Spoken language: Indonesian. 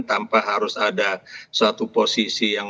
tanpa harus ada suatu posisi yang